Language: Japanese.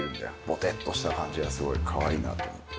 ボテッとした感じがすごいかわいいなと思って。